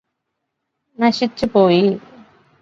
നശിച്ചുപോയി